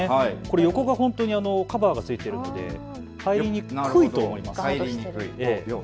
横がカバーがついているので入りにくいと思います。